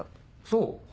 そう？